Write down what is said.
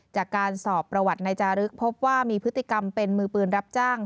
จากการสอบประวัตินายจารึกพบว่ามีพฤติกรรมเป็นมือปืนรับจ้าง